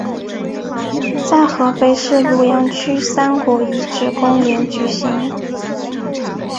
在合肥市庐阳区三国遗址公园举行。